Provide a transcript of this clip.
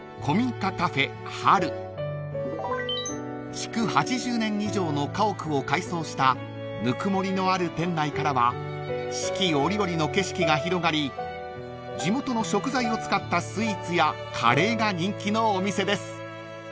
［築８０年以上の家屋を改装したぬくもりのある店内からは四季折々の景色が広がり地元の食材を使ったスイーツやカレーが人気のお店です］